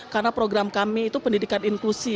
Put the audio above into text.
karena program kami itu pendidikan inklusi